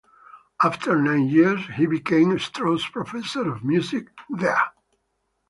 After nine years, he became Strauss Professor of Music there.